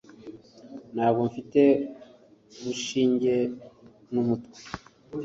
Ntabwo ufite urushinge numutwe?